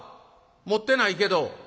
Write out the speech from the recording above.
持ってないけど。